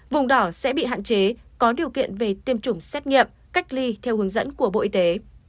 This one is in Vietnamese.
vùng đỏ sẽ bị hạn chế có điều kiện về tiêm chủng xét nghiệm cách ly theo hướng dẫn của bộ y tế